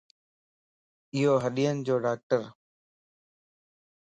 ايو ھڏين جو ڊاڪٽرَ